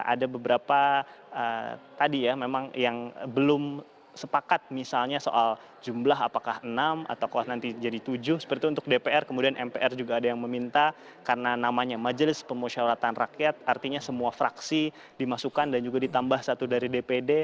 ada beberapa tadi ya memang yang belum sepakat misalnya soal jumlah apakah enam atau nanti jadi tujuh seperti itu untuk dpr kemudian mpr juga ada yang meminta karena namanya majelis pemusyawaratan rakyat artinya semua fraksi dimasukkan dan juga ditambah satu dari dpd